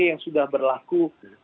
yang sudah berlaku